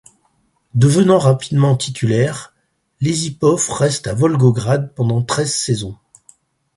Devenant rapidement titulaire, Iesipov reste à Volgograd pendant treize saisons.